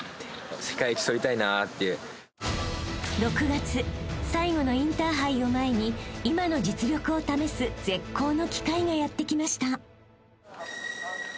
［６月最後のインターハイを前に今の実力を試す絶好の機会がやってきました］